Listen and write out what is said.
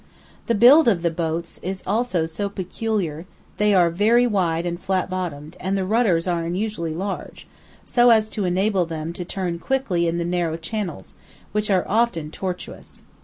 The build of the boats also is peculiar; they are very wide and flat bottomed, and the rudders are unusually large, so as to enable them to turn quickly in the narrow channels, which are often tortuous.